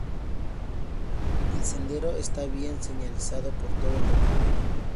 El sendero está bien señalizado por todo el recorrido.